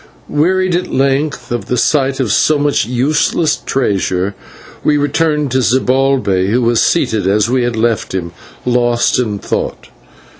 Wearied at length by the sight of so much useless treasure, we returned to Zibalbay, who was seated as we had left him, lost in thought.